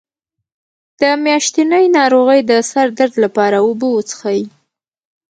د میاشتنۍ ناروغۍ د سر درد لپاره اوبه وڅښئ